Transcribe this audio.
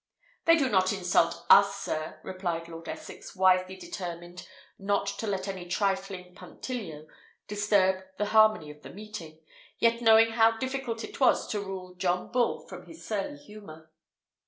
"They do not insult us, sir," replied Lord Essex, wisely determined not to let any trifling punctilio disturb the harmony of the meeting, yet knowing how difficult it was to rule John Bull from his surly humour.